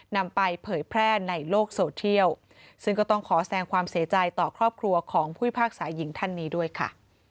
นำไปเผยแพร่ในโลกโซเทียลซึ่งก็ต้องขอแสงความเสียใจต่อครอบครัวของผู้พิพากษาหญิงท่านนี้ด้วยค่ะ